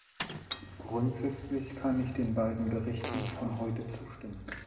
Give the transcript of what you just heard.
Grundsätzlich kann ich den beiden Berichten von heute zustimmen.